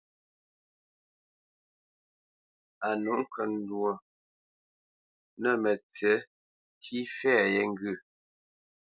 A nûʼ ŋkəndwô nə̂ mətsiʼ ntî fɛ̌ yé ŋgyə̂.